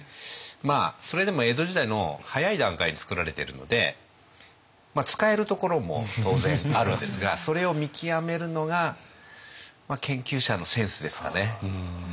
それでも江戸時代の早い段階でつくられてるので使えるところも当然あるんですがそれを見極めるのが研究者のセンスですかね。